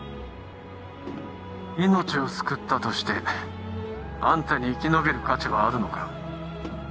命を救ったとしてあんたに生き延びる価値はあるのか？